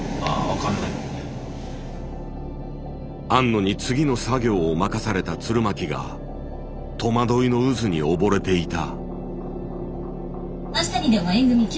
庵野に次の作業を任された鶴巻が戸惑いの渦に溺れていた。